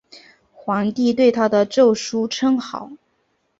皇帝对他的奏疏称好。